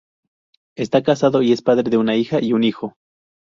Está casado y es padre de una hija y un hijo.